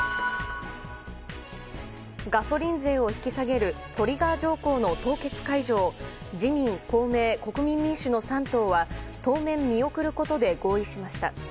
ガソリン税を引き下げるトリガー条項の凍結解除を自民、公明、国民民主の３党は当面、見送ることで合意しました。